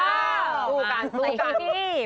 สู้กัน